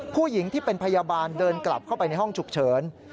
ผู้หญิงที่เป็นพยาบาลเดินกลับเข้าไปในห้องฉุกเฉิน